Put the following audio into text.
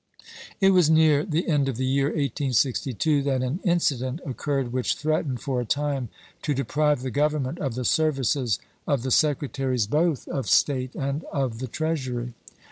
It was near the end of the year 1862 that an in cident occurred which threatened for a time to deprive the Grovernment of the services of the Sec retaries both of State and of the Treasury.